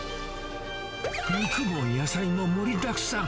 肉も野菜も盛りだくさん。